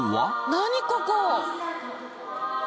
何ここ？